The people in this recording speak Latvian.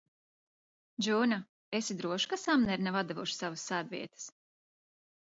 Džūna, esi droša, ka Samneri nav atdevuši savas sēdvietas?